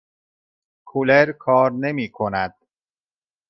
کولر کار نمی کند.